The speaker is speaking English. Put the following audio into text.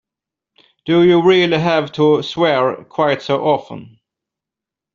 Do you really have to swear quite so often?